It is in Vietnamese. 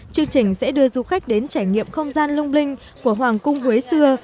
chương trình sẽ đưa du khách đến trải nghiệm không gian lung linh của hoàng cung huế xưa